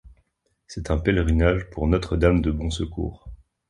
C'est un pèlerinage pour Notre-Dame de Bon Secours.